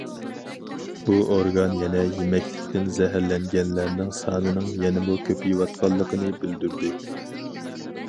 بۇ ئورگان يەنە يېمەكلىكتىن زەھەرلەنگەنلەرنىڭ سانىنىڭ يەنىمۇ كۆپىيىۋاتقانلىقىنى بىلدۈردى.